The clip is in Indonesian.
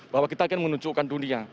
bahwa kita akan menunjukkan dunia